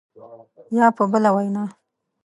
یا په بله وینا